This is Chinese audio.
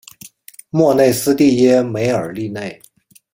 莫内斯蒂耶梅尔利内。